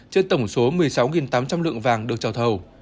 trên tổng số một mươi sáu tám trăm linh lượng vàng được trả thầu